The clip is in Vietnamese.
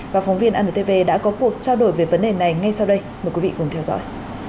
và phóng viên antv đã có cuộc trao đổi về vấn đề này ngay sau đây mời quý vị cùng theo dõi